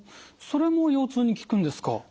それも腰痛に効くんですか。